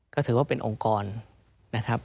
ก็ถือว่าเป็นองค์กรนะครับ